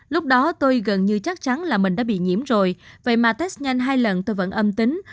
lúc đó tôi gần như chắc chắn là mình đã bị nhiễm rồi vậy mà test nhanh hai lần tôi vẫn âm tính